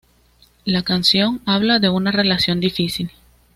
La canción habla de una relación difícil.